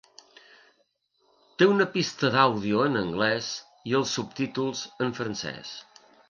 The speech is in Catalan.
Té una pista d"àudio en anglès i els subtítols en francès.